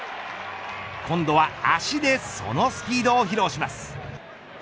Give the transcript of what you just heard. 今度は足でそのスピードを披露します。